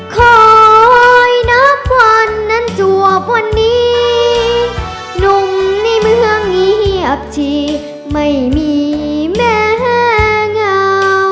คอยนับวันนั้นจวบวันนี้หนุ่มในเมืองเงียบชีไม่มีแม่เหงา